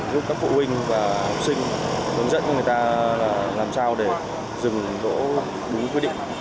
giúp các phụ huynh và học sinh hướng dẫn cho người ta làm sao để dừng đỗ đúng quy định